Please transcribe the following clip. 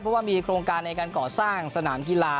เพราะว่ามีโครงการในการก่อสร้างสนามกีฬา